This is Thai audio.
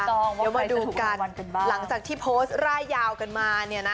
เดี๋ยวมาดูกันบ้างหลังจากที่โพสต์ร่ายยาวกันมาเนี่ยนะ